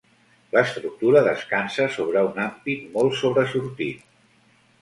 L'estructura descansa sobre un ampit molt sobresortit.